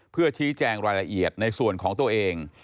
เพื่อชี้แจงรายละเอียดในส่วนของตัวเอง